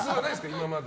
今まで。